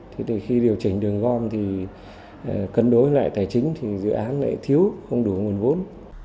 thế thì khi điều chỉnh đường gom thì cân đối lại tài chính thì dự án lại thiếu không đủ nguồn vốn